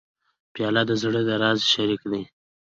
پیاله د زړه د راز شریک دی.